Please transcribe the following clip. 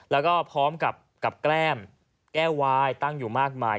แล้วก็พร้อมกับแก้มแก้ววายตั้งอยู่มากมาย